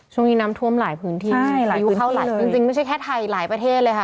ช่วงนี้น้ำท่วมหลายพื้นที่ใช่หลายพื้นที่เลยอายุเข้าหลายจริงจริงไม่ใช่แค่ไทยหลายประเทศเลยค่ะ